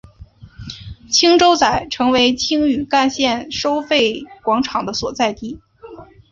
青洲仔成为青屿干线收费广场的所在地。